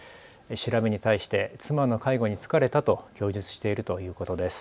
調べに対して妻の介護に疲れたと供述しているということです。